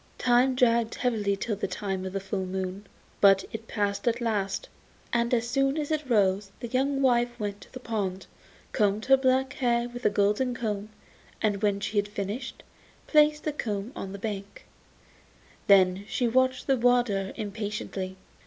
Time dragged heavily till the time of the full moon, but it passed at last, and as soon as it rose the young wife went to the pond, combed her black hair with a golden comb, and when she had finished, placed the comb on the bank; then she watched the water impatiently.